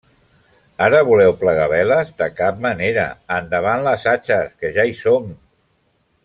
Ara voleu plegar veles? De cap manera. Endavant les atxes, que ja hi som!